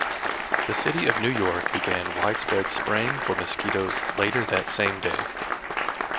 The city of New York began widespread spraying for mosquitos later that same day.